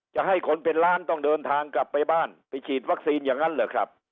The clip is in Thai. จะให้คนเป็นล้านต้องเดินทางกลับไปบ้านไปฉีดวัคซีนอย่างนั้นเหรอครับ